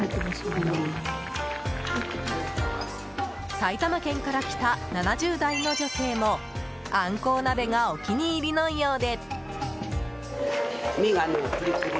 埼玉県から来た７０代の女性もアンコウ鍋がお気に入りのようで。